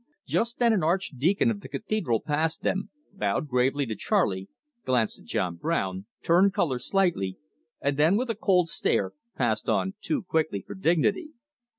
Just then an archdeacon of the cathedral passed them, bowed gravely to Charley, glanced at John Brown, turned colour slightly, and then with a cold stare passed on too quickly for dignity.